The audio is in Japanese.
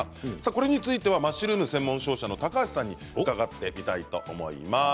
これについてはマッシュルーム専門商社の高橋さんに伺ってみたいと思います。